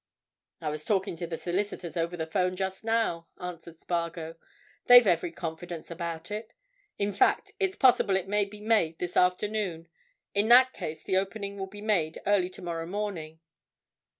"I was talking to the solicitors over the 'phone just now," answered Spargo. "They've every confidence about it. In fact, it's possible it may be made this afternoon. In that case, the opening will be made early tomorrow morning."